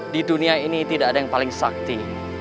di dunia ini tidak ada yang paling sakti